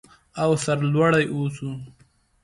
او سرلوړي اوسو.